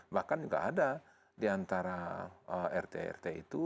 bahkan juga ada diantara rt rt itu